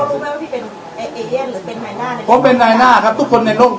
พี่เป็นหรือเป็นนายหน้าผมเป็นนายหน้าครับทุกคนในโลก